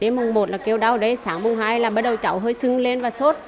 đến mùng một là kêu đau sáng mùng hai là bắt đầu cháu hơi sưng lên và suốt